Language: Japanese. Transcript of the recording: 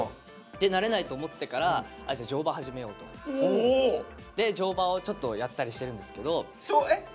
でなれないと思ってからお！で乗馬をちょっとやったりしてるんですけど。